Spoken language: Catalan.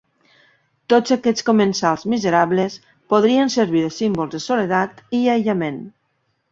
Tots aquests comensals miserables podrien servir de símbols de soledat i aïllament.